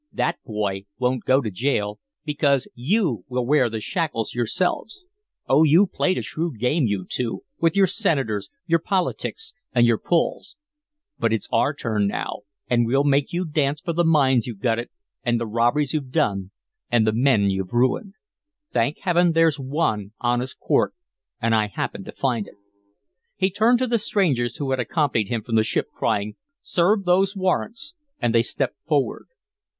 That boy won't go to jail because you will wear the shackles yourselves. Oh, you played a shrewd game, you two, with your senators, your politics, and your pulls; but it's our turn now, and we'll make you dance for the mines you gutted and the robberies you've done and the men you've ruined. Thank Heaven there's ONE honest court and I happened to find it." He turned to the strangers who had accompanied him from the ship, crying, "Serve those warrants," and they stepped forward.